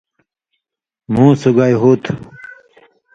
مُھو سُگائی ہوتُھو۔